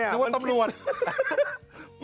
นึกว่าตำรวจ